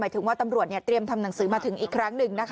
ถึงว่าตำรวจเตรียมทำหนังสือมาถึงอีกครั้งหนึ่งนะคะ